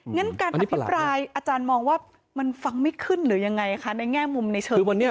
งั้นการอภิปรายอาจารย์มองว่ามันฟังไม่ขึ้นหรือยังไงในแง่มุมเฉินวิทยาศาสตร์